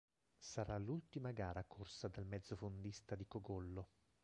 Sarà l'ultima gara corsa dal mezzofondista di Cogollo.